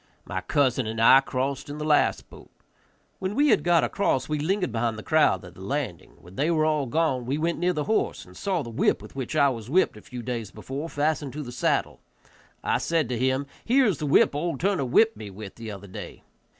My cousin and I crossed in the last boat. When we had got across we lingered behind the crowd at the landing; when they all were gone we went near the horse and saw the whip with which I was whipped a few days before fastened to the saddle. I said to him, "Here is the whip old Turner whipped me with the other day."